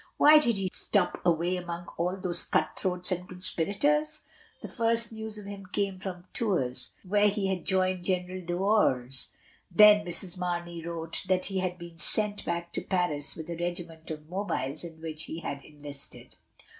"Why did he stop away among all those cut throats and conspirators?" The first news of him came from Tours, where he had joined General d'Aurelles. Then Mrs. Marney wrote that he had been sent back to Paris with a regiment of Mobiles in which he had enlisted.